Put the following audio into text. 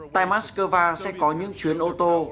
tại moscow sẽ có những chuyến ô tô